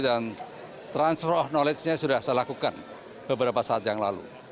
dan transfer of knowledge nya sudah saya lakukan beberapa saat yang lalu